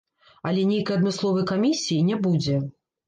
Але нейкай адмысловай камісіі не будзе.